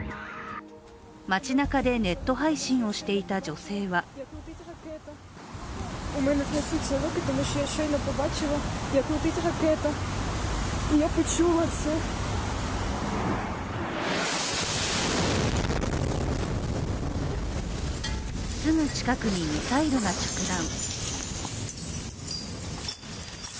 街なかでネット配信をしていた女性はすぐ近くにミサイルが着弾。